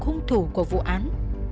khung thủ của vụ án